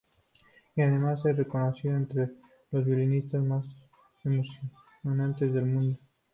Y además, es reconocida entre los violinistas más emocionantes del mundo.